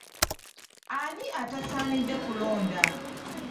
Ani atasaanidde kulonda?